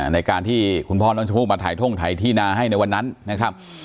ในการที่คุณพ่อน้องชมพู่มาถ่ายท่งถ่ายที่นาให้ในวันนั้นนะครับ